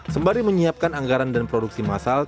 sembari menyiapkan anggaran dan produksi masal